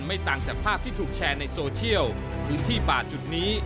ต่างจากภาพที่ถูกแชร์ในโซเชียลพื้นที่ป่าจุดนี้